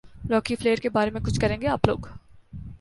راکی Flair کے بارے میں کچھ کریں گے آپ لوگ